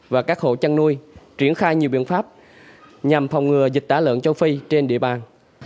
và các hộ chăn nuôi triển khai nhiều biện pháp nhằm phòng ngừa dịch tả lợn châu phi trên địa bàn